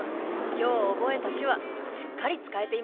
今日覚えた手話しっかり使えていましたね！